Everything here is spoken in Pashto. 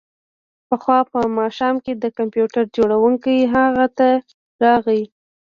پخوا په ماښام کې د کمپیوټر جوړونکی هغه ته راغی